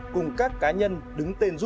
cùng các cá nhân đứng tên giúp